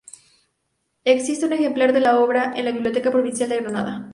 Existe un ejemplar de la obra en la Biblioteca Provincial de Granada.